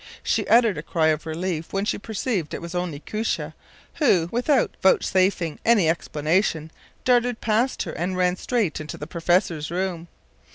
She uttered a cry of relief when she perceived it was only Koosje, who, without vouchsafing any explanation, dashed past her and ran straight into the professor’s room.